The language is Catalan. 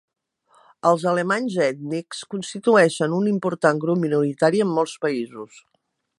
Els alemanys ètnics constituïxen un important grup minoritari en molts països.